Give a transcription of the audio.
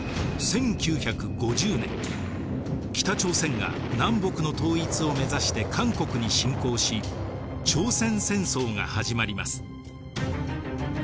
１９５０年北朝鮮が南北の統一を目指して韓国に侵攻し朝鮮戦争が始まります。